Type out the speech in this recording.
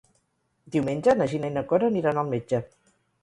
Diumenge na Gina i na Cora aniran al metge.